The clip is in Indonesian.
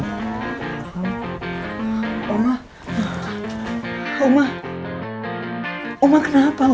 ih belum rupanya